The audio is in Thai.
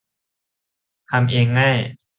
ทำเองง่าย